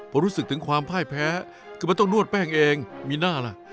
พอรู้สึกถึงความพ่ายแพ้คือมันต้องนวดแป้งเองมีหน้าล่ะ